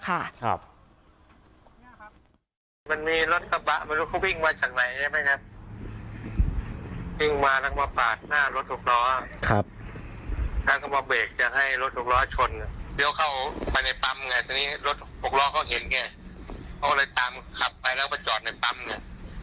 เขาก็เห็นเนี่ยเขาก็เลยตามขับไปแล้วก็จอดในปั๊มเนี่ย